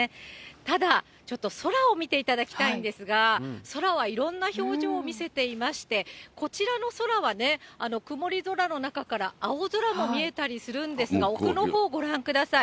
ただ、ちょっと空を見ていただきたいんですが、空はいろんな表情を見せていまして、こちらの空はね、曇り空の中から青空が見えたりするんですが、奥のほう、ご覧ください。